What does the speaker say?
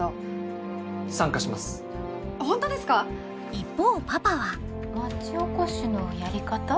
一方パパは町おこしのやり方？